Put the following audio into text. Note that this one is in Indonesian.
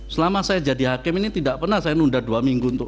selama saya jadi hakim ini tidak pernah saya nunda dua minggu untuk